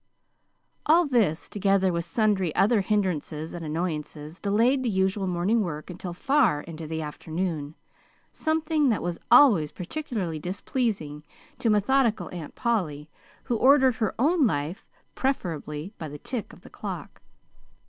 All this, together with sundry other hindrances and annoyances, delayed the usual morning work until far into the afternoon something that was always particularly displeasing to methodical Aunt Polly, who ordered her own life, preferably, by the tick of the clock.